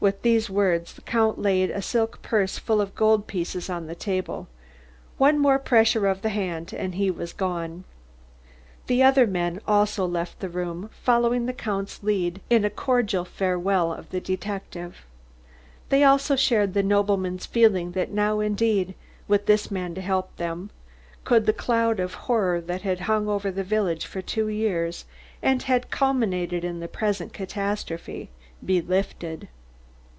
With these words the Count laid a silk purse full of gold pieces on the table. One more pressure of the hand and he was gone. The other men also left the room, following the Count's lead in a cordial farewell of the detective. They also shared the nobleman's feeling that now indeed, with this man to help them, could the cloud of horror that had hung over the village for two years, and had culminated in the present catastrophe, be lifted.